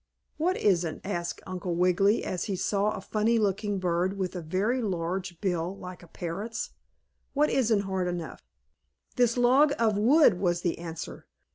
"What isn't?" asked Uncle Wiggily, as he saw a funny looking bird with a very large bill like a parrot's. "What isn't hard enough?" "This log of wood," was the answer.